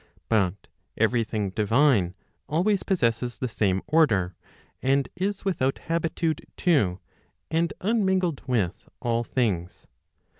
But every thing divine always possesses the same order, and is without habitude to, and unmingled with all things.